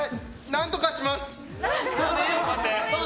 何とかします！